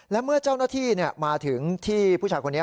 และเมื่อเจ้าหน้าที่มาถึงที่ผู้ชายคนนี้